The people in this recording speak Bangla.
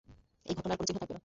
এই ঘটনার কোনো চিহ্ন থাকবে না।